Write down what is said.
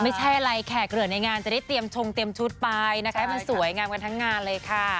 ไม่ใช่อะไรแขกเหลือในงานจะได้เตรียมชงเตรียมชุดไปนะคะให้มันสวยงามกันทั้งงานเลยค่ะ